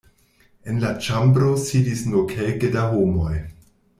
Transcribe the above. En la ĉambro sidis nur kelke da homoj.